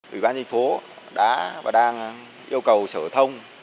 ủy ban thành phố đã và đang yêu cầu sở thông